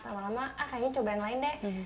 lama lama ah kayaknya coba yang lain deh